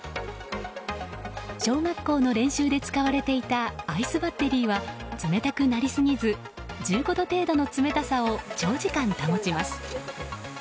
小学校の練習で使われていたアイスバッテリーは冷たくなりすぎず１５度程度の冷たさを長時間、保ちます。